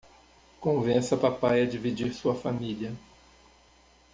Convença papai a dividir sua família